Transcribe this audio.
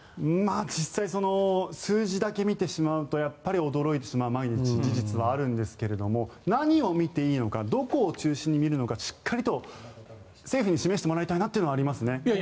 実際、数字だけ見てしまうとやっぱり驚いてしまう事実はあるんですけど何を見ていいのかどこを中心にみるのかをしっかりと、政府に示してもらいたいなというのはありますね。